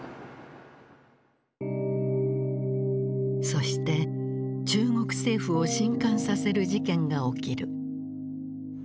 そして中国政府を震撼させる事件が起きる。